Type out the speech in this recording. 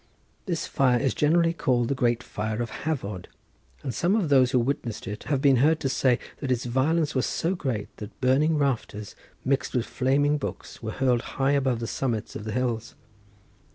This fire is generally called the great fire of Hafod, and some of those who witnessed it have been heard to say that its violence was so great that burning rafters mixed with flaming books were hurled high above the summits of the hills.